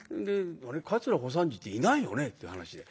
「桂小三治っていないよね？」っていう話で。